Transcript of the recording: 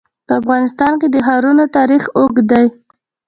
په افغانستان کې د ښارونه تاریخ اوږد دی.